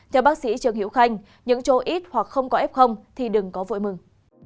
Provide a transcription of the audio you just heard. theo bác sĩ trần hiểu khanh những chỗ ít hoặc không có ép không thì đừng có vội mừng